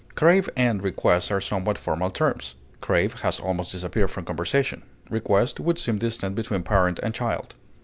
Crave and request are somewhat formal terms; crave has almost disappeared from conversation; request would seem distant between parent and child.